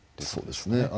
そうですね。